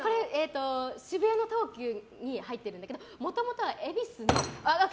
渋谷の東急に入ってるんだけどもともとは恵比寿の。